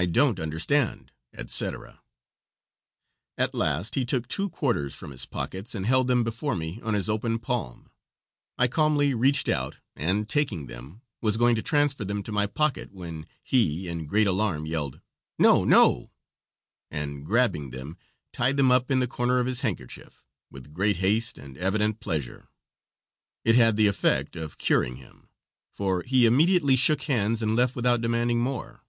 I don't understand," etc. At last he took two quarters from his pockets and held them before me on his open palm. I calmly reached out, and, taking them, was going to transfer them to my pocket when he, in great alarm, yelled: "No, no!" and grabbing them, tied them up in the corner of his handkerchief, with great haste and evident pleasure. It had the effect of curing him, for he immediately shook hands and left without demanding more.